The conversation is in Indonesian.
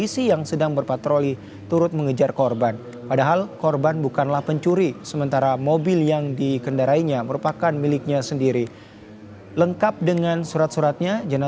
sebelum kecelakaan korban sempat menelpon orang tuanya